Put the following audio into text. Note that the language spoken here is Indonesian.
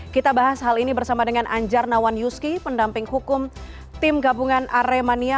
kita bahas hal ini bersama dengan anjar nawanyuski pendamping hukum tim gabungan aremania